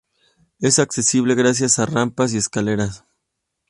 Es accesible gracias a rampas y escaleras.